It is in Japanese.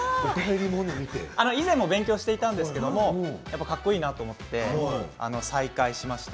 以前も勉強していたんですがやっぱり、かっこいいなと思って再開しました。